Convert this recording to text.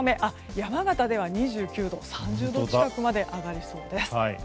山形では２９度３０度近くまで上がりそうです。